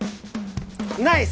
ナイス！